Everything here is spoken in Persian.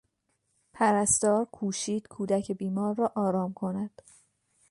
پرستار کوشید کودک بیمار را آرام کند.